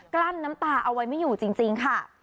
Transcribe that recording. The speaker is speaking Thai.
ลั้นน้ำตาเอาไว้ไม่อยู่จริงค่ะ